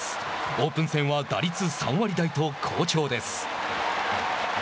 オープン戦は打率３割台と好調です。